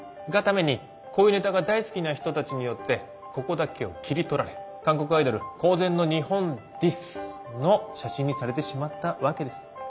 がためにこういうネタが大好きな人たちによってここだけを切り取られ「韓国アイドル公然の日本ｄｉｓ」の写真にされてしまったわけです。